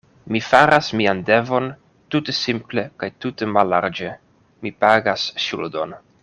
Mi faras mian devon tute simple kaj tute mallarĝe; mi pagas ŝuldon.